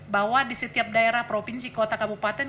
bahwa di setiap daerah provinsi kota kabupaten